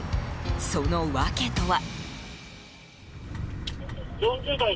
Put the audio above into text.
その訳とは。